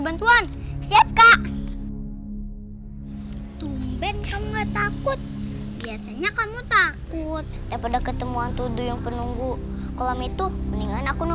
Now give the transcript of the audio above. jangan bril kamu harus disini nungguin rafa